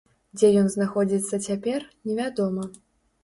Дзе ён знаходзіцца цяпер, невядома.